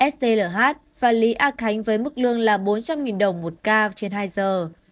stlh và lý á khánh với mức lương là bốn trăm linh đồng một cao trên hai giờ